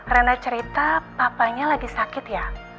rena cerita papanya lagi sakit ya